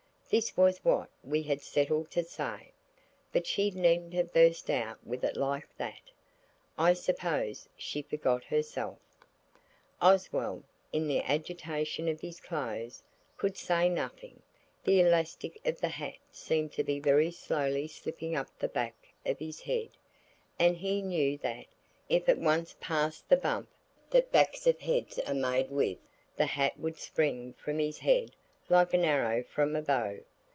This was what we had settled to say, but she needn't have burst out with it like that. I suppose she forgot herself. Oswald, in the agitation of his clothes, could say nothing The elastic of the hat seemed to be very slowly slipping up the back of his head, and he knew that, if it once passed the bump that backs of heads are made with, the hat would spring from his head like an arrow from a bow.